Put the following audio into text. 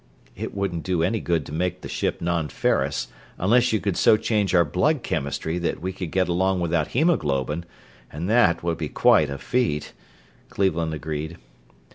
"It wouldn't do any good to make the ship non ferrous unless you could so change our blood chemistry that we could get along without hemoglobin, and that would be quite a feat," Cleveland agreed.